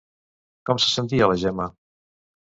Com se sentia la Gemma?